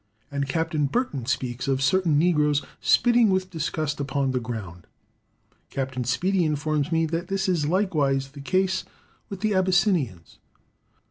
And Captain Burton speaks of certain negroes "spitting with disgust upon the ground." Captain Speedy informs me that this is likewise the case with the Abyssinians. Mr.